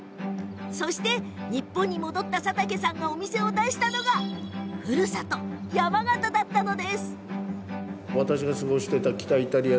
そして日本に戻った佐竹さんがお店を出したのがふるさと、山形でした。